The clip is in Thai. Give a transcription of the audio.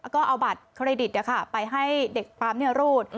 ก็เอาบัตรเครดิตไปให้เด็กปั๊มรูด